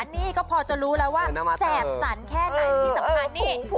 นี่ก็พอจะรู้แล้วว่าแจกสั่นแค่ไหนที่สำคัญนี่